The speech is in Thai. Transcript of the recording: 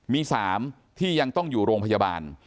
มี๓ที่ยังต้องอยู่โรงพยาบาล